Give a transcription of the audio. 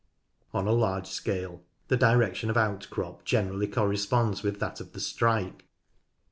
On a large scale the direction of outcrop generally corresponds with that of the strike.